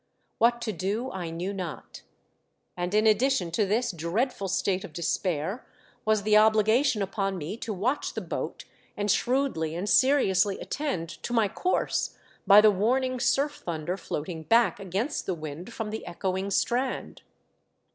What to do I knew not ; and in addition to this dreadful state of despair was the obligation upon me to watch the boat and shrewdly and seriously attend to my course by the warning surf thunder floating back against the wind from the echoing strand.